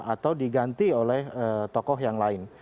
atau diganti oleh tokoh yang lain